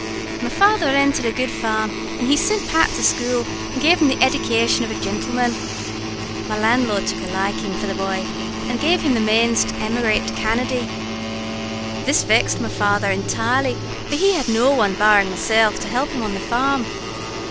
My father rinted a good farm, and he sint Pat to school, and gave him the eddication of a jintleman. Our landlord took a liking for the bhoy, and gave him the manes to emigrate to Canady. This vexed my father intirely, for he had no one barring myself to help him on the farm.